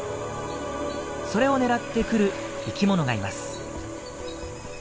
それを狙って来る生きものがいます。